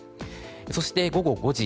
そして、午後５時。